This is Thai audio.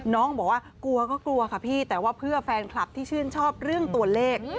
น้องบอกว่ากลัวก็กลัวค่ะพี่แต่ว่าเพื่อแฟนคลับที่ชื่นชอบเรื่องตัวเลข